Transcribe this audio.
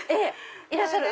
いらっしゃる？